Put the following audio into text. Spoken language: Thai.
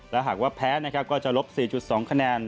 และหากว่าแพ้นะครับก็จะลบ๔๒คะแนน